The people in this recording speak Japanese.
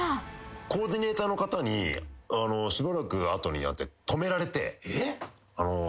コーディネーターの方にしばらく後になって止められて。